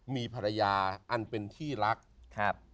มีภรรยาอันเป็นที่รักครับ